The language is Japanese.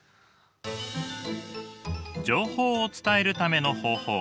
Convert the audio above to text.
情報を伝えるための方法。